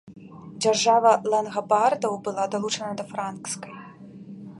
Дзяржава лангабардаў была далучана да франкскай.